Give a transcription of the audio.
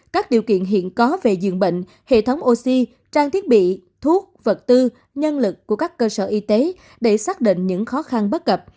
các điều kiện hiện có về dường bệnh hệ thống oxy trang thiết bị thuốc vật tư nhân lực của các cơ sở y tế để xác định những khó khăn bất cập